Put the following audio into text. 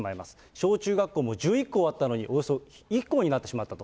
小中学校も１１校あったのに、およそ１校になってしまったと。